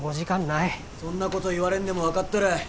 そんなこと言われんでも分かっとる。